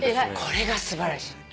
これが素晴らしい。